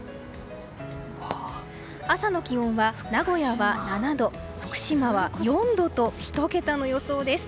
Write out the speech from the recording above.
朝の気温が名古屋は７度福島は４度と１桁の予想です。